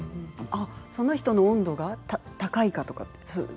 その人の温度が高いかとか？